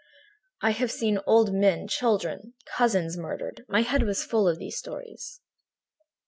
I had seen old men, children, cousins murdered; my head was full of these stories.